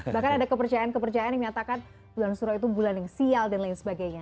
bahkan ada kepercayaan kepercayaan yang menyatakan bulan suruh itu bulan yang sial dan lain sebagainya